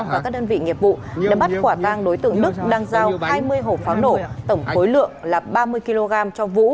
và các đơn vị nghiệp vụ đã bắt quả tang đối tượng đức đang giao hai mươi hộp pháo nổ tổng khối lượng là ba mươi kg cho vũ